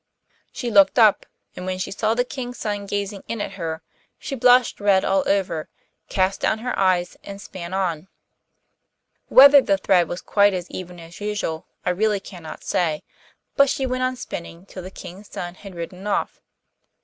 She looked up, and when she saw the King's son gazing in at her, she blushed red all over, cast down her eyes and span on. Whether the thread was quite as even as usual I really cannot say, but she went on spinning till the King's son had ridden off.